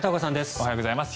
おはようございます。